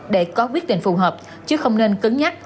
để có quyết định phù hợp chứ không nên cứng nhắc